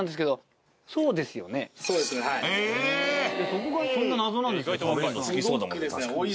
そこがそんな謎なんですか？